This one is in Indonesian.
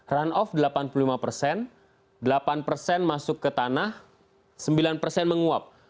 run off delapan puluh lima persen delapan persen masuk ke tanah sembilan persen menguap